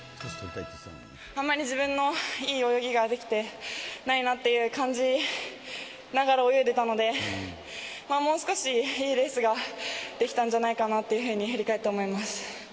あんまり自分のいい泳ぎができてないなっていう感じながら泳いでたので、もう少しいいレースができたんじゃないかなというふうに振り返って思います。